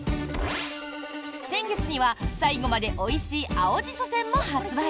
先月には、最後まで美味しい青紫蘇せんも発売。